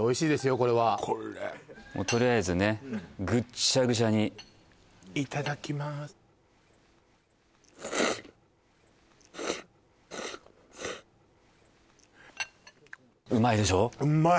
これはこれとりあえずねぐっちゃぐちゃにいただきまーすうまいでしょ？